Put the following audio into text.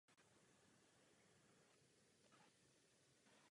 Funguje to ale i opačně.